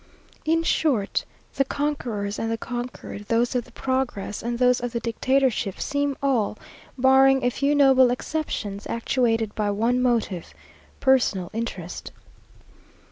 In short, the conquerors and the conquered, those of the Progress, and those of the Dictatorship, seem all, barring a few noble exceptions, actuated by one motive; personal interest.